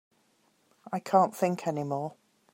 I can't think any more.